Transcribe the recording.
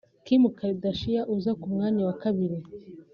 Kim Kardashian uza ku mwanya wa kabiri